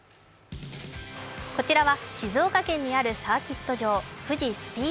こちらは静岡県にあるサーキット場。